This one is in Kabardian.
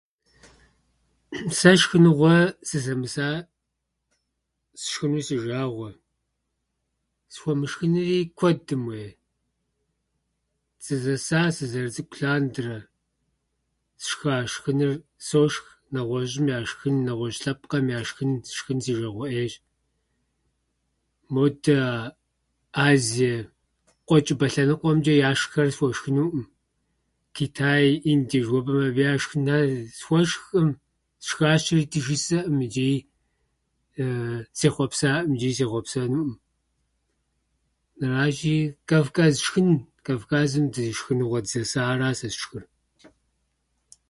Сэ шхыныгъуэ сызэмыса сшхыну си жагъуэ, схуэмышхынри куэдым уей. Сызэса сызэрыцӏыкӏу лъандэрэ сшха шхыныр сошх. Нэгъуэщӏым я шхын, нэгъуэщӏ лъэпкъхьэм я шхын сшхын си жагъуэ ӏейщ. Модэ а Азие, Къуэчӏыпӏэ лъэныкъуэмчӏэ яшххьэр схуэшхынуӏым. Китай, Индие жыхуэпӏэм, абы яшхым сшхуэшхӏым, сшхащырэти жысӏэӏым ичӏи, сехъуэпсаӏым ичӏи сехъуэпсэнуӏым. Аращи, Кавказ шхын, Кавказым ди шхыныгъуэ дызэсахьэра сэ сшхыр.